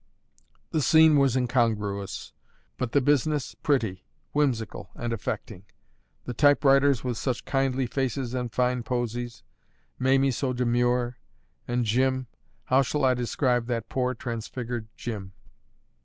The scene was incongruous, but the business pretty, whimsical, and affecting: the typewriters with such kindly faces and fine posies, Mamie so demure, and Jim how shall I describe that poor, transfigured Jim?